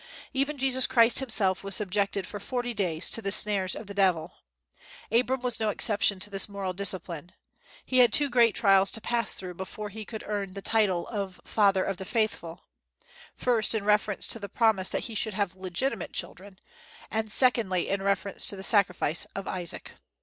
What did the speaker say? Even Jesus Christ himself was subjected for forty days to the snares of the Devil. Abram was no exception to this moral discipline. He had two great trials to pass through before he could earn the title of "father of the faithful," first, in reference to the promise that he should have legitimate children; and secondly, in reference to the sacrifice of Isaac.